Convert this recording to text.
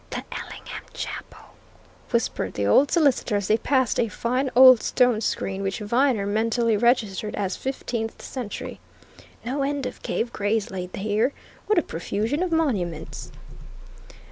"The Ellingham Chapel!" whispered the old solicitor as they passed a fine old stone screen which Viner mentally registered as fifteenth century. "No end of Cave Grays laid here. What a profusion of monuments!"